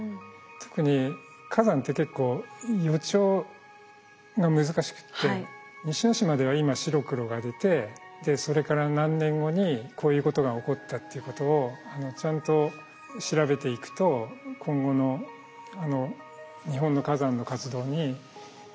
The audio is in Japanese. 特に火山って結構予兆が難しくて西之島では今白黒が出てそれから何年後にこういうことが起こったっていうことをちゃんと調べていくと今後の日本の火山の活動に役立つと思ってます。